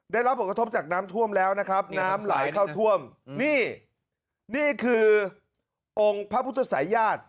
ได้รับผลกระทบจากน้ำท่วมแล้วนะครับน้ำไหลเข้าท่วมนี่นี่คือองค์พระพุทธศัยญาติ